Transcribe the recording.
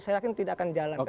saya yakin tidak akan jalan